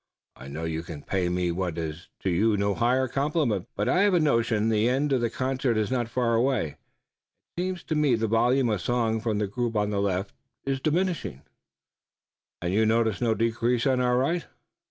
"I know you can pay me what is to you no higher compliment, but I have a notion the end of the concert is not far away. It seems to me the volume of song from the group on the left is diminishing." "And you notice no decrease on our right?"